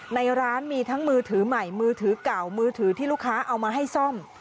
ในร้านมีทั้งมือถือใหม่มือถือเก่ามือถือที่ลูกค้าเอามาให้ซ่อม